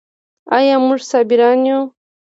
آیا موږ صابران یو؟